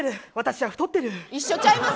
私は太っている。